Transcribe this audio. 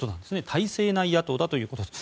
体制内野党だということです。